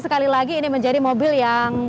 sekali lagi ini menjadi mobil yang